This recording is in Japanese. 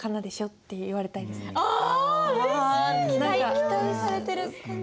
期待されてる感じ？